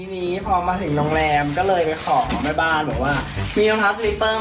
นี้พอมาถึงโรงแรมก็เลยไปขอของแม่บ้านบอกว่ามีน้ำเท้าสลิปเปอร์มั้ยครับ